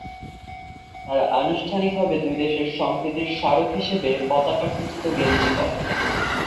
তারা আনুষ্ঠানিকভাবে দুই দেশের সম্প্রীতির স্মারক হিসেবে পতাকা খচিত গেঞ্জি পরে।